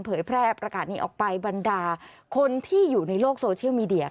แพร่ประกาศนี้ออกไปบรรดาคนที่อยู่ในโลกโซเชียลมีเดีย